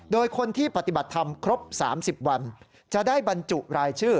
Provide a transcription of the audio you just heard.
โดยคนที่ปฏิบัติธรรมครบ๓๐วันจะได้บรรจุรายชื่อ